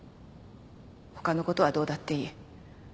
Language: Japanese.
他の事はどうだっていい。